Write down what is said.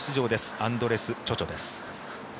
アンドレス・チョチョです。